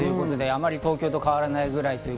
東京と変わらないぐらい。